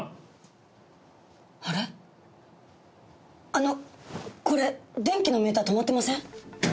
あのこれ電気のメーター止まってません？